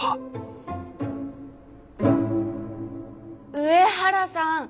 上原さん